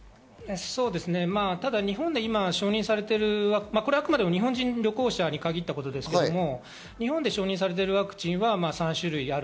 日本で今、承認されている、あくまでも日本人旅行者に限ったことですけど、日本で承認されてるのは３種類。